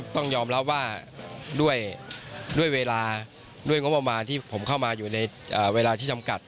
ต้องยอมรับว่าด้วยเวลาด้วยงบประมาณที่ผมเข้ามาอยู่ในเวลาที่จำกัด